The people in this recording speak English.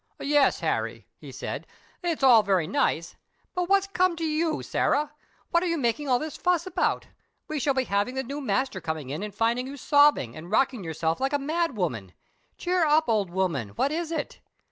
"Yes, Harry," he said, "it's all very nice. But what's come to you, Sarah? What are you making all this fuss about? We shall be having the new master coming in and finding you sobbing and rocking yourself like a mad woman. Cheer up, old woman. What is it?"